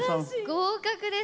合格です。